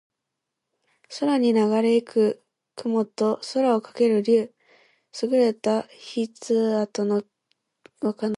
空にながれ行く雲と空翔ける竜。能書（すぐれた筆跡）の形容。